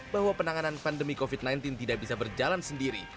bahwa penanganan pandemi covid sembilan belas tidak bisa berjalan sendiri